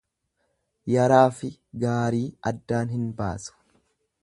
Yaraafi gaarii addaan hin baasu.